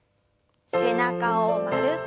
背中を丸く。